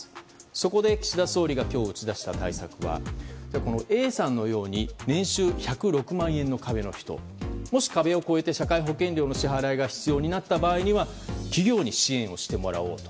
そこで岸田総理が今日打ち出した対策はＡさんのように年収１０６万円の壁の人もし壁を超えて社会保険料の支払いが必要になった場合は企業に支援をしてもらおうと。